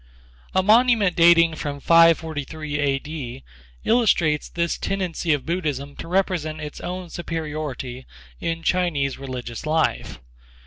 A monument dating from 543 A. D., illustrates this tendency of Buddhism to represent its own superiority in Chinese religious life.